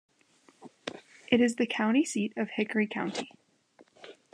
It is the county seat of Hickory County.